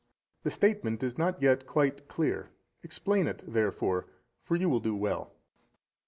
A. The statement is not yet quite clear; explain it therefore, for you will do well.